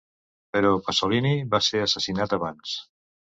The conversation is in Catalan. Però Pasolini va ser assassinat abans.